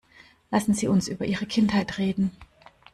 Lassen Sie uns über Ihre Kindheit reden.